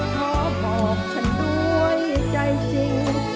ขอบอกฉันด้วยใจจริง